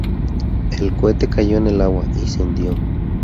El cohete cayó en el agua y se hundió.